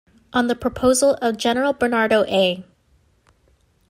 On the proposal of General Bernardo A.